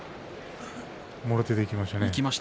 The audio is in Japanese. もろ手でいきましたね。